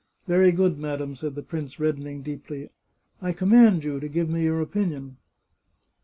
" Very good, madam," said the prince, reddening deeply. " I command you to give me your opinion."